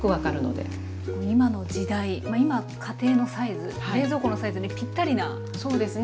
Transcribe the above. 今の時代今家庭のサイズ冷蔵庫のサイズにぴったりなアイデアですね。